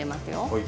はい。